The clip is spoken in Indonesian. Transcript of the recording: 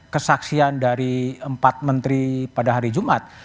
kesaksian dari empat menteri pada hari jumat